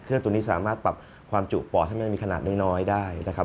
ตัวนี้สามารถปรับความจุปอดให้มันมีขนาดน้อยได้นะครับ